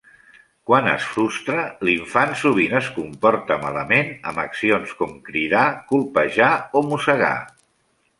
Quan es frustra, l'infant sovint es comporta malament amb accions com cridar, colpejar o mossegar.